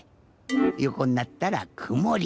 よこになったらくもり。